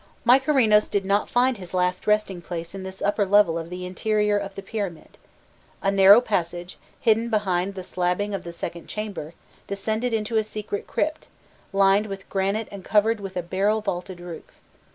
Mykerinos did not find his last resting place in this upper level of the interior of the pyramid: a narrow passage, hidden behind the slabbing of the second chamber, descended into a secret crypt, lined with granite and covered with a barrel vaulted roof.